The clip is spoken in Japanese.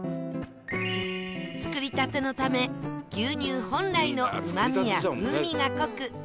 作りたてのため牛乳本来のうまみや風味が濃く